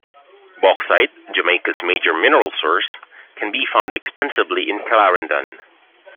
Bauxite, Jamaica's major mineral source, can be found extensively in Clarendon.